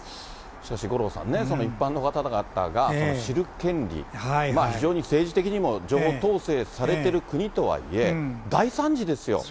しかし、五郎さんね、一般の方々が知る権利、非常に政治的にも情報統制されてる国とはいえ、大惨事ですよ。